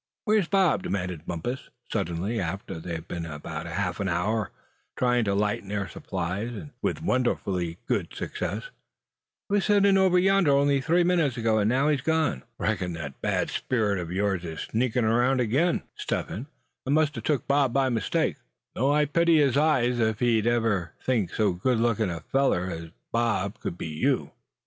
"Where's Bob?" demanded Bumpus, suddenly, after they had been about half an hour trying to lighten their supplies, and with wonderfully good success. "He was sitting over yonder only three minutes ago; and now he's gone. Reckon that bad spirit of yours is sneakin' around again, Step Hen, and must a took Bob by mistake; though I pity his eyes if he'd ever think so good lookin' a feller as Bob could be you!"